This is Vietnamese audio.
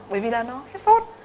bởi vì là nó khét sốt